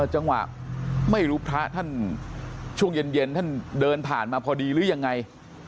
จังหวะไม่รู้พระท่านช่วงเย็นท่านเดินผ่านมาพอดีหรือยังไง